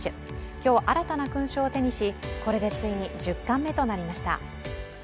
今日、新たな勲章を手にしこれでついに１０冠目となりました。